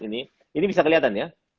ini bisa kelihatan ya